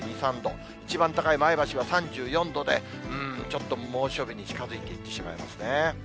一番高い前橋は３４度で、ちょっと猛暑日に近づいていってしまいますね。